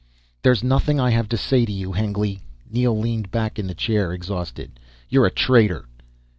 "There's nothing I have to say to you, Hengly." Neel leaned back in the chair, exhausted. "You're a traitor!"